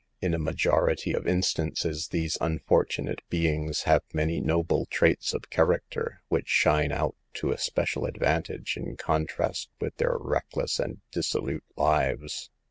In a majority of instances these unfortunate beings have many noble traits of character, which shine out to especial advantage in contrast with their reck less and dissolute lives.